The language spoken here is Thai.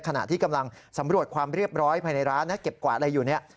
ขณะที่กำลังสำรวจความเรียบร้อยภายในร้านนะเก็บกวาดอะไรอยู่เนี่ย